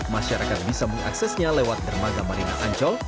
masyarakat bisa mengaksesnya lewat dermaga marina ancol